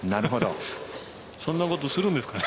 そんなことするんですかね。